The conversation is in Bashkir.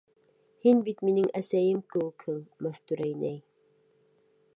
Һин бит миңә әсәйем кеүекһең, Мәстүрә инәй!..